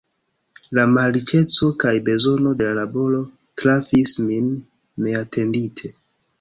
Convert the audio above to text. La malriĉeco kaj bezono de laboro trafis min neatendite.